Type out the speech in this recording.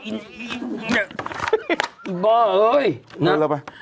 อีบ่าเอ้ย